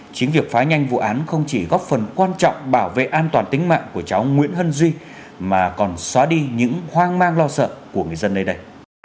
chính việc phá nhanh vụ án không chỉ góp phần quan trọng bảo vệ an toàn tính mạng của cháu nguyễn hân duy mà còn xóa đi những hoang mang lo sợ của người dân nơi đây